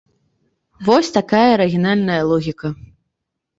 Вось такая арыгінальная логіка.